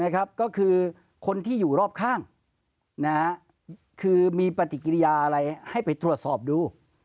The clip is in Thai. ก็คือคนที่อยู่รอบข้างคือมีปฏิกิริยาอะไรให้ไปตรวจสอบดู